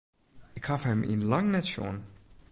Ik haw him yn lang net sjoen.